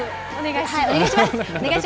お願いします。